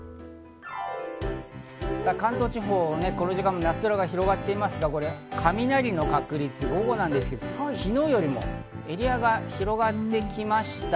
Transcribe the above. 関東地方はこの時間も夏空が広がっていますが、雷の確率、午後なんですけど、昨日よりエリアが広がってきました。